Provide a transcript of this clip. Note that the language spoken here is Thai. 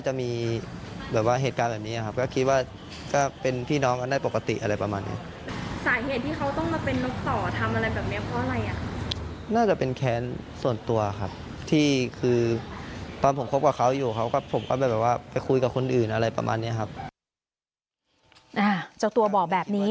เจ้าตัวบอกแบบนี้